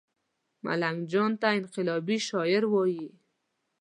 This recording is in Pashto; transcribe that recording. ملنګ جان ته انقلابي شاعر وايي